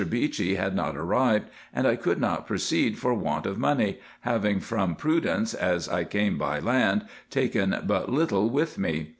Beechey had not arrived, and I coidd not proceed for want of money, having, from prudence, as I came by land, taken but little with me.